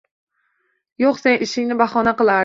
Yo`q, sen ishingni bahona qilarding